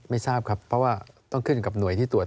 ไม่ทราบครับเพราะว่าต้องขึ้นกับหน่วยที่ตรวจ